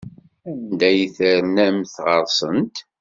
Anda ay ternamt ɣer-sent?